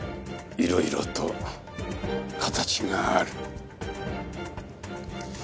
いろいろと形がある。